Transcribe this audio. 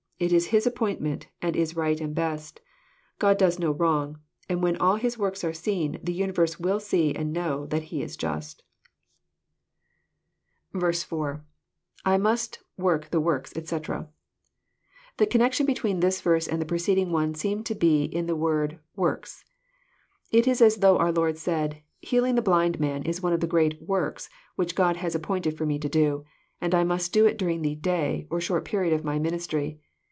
It is His appointment, and is right and best. God does no wrong; and when all His works are seen, the universe will see and know that He is Just." r JOHN, CHAP, IX. 143 i.^^I must work flJie works, etc."] The connection between this verse and the preceding one seems to be in the word works.'* It it as though our Lord said,— *' Healing the blind man is one of the great * works * which God has appointed for Me to do, and I must do it daring the * day,' or short period of My minis try.